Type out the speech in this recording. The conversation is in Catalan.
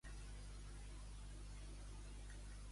No és bon barceloní qui no és batejat a la Seu.